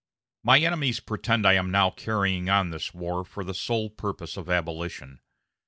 My enemies pretend I am now carrying on this war for the sole purpose of abolition.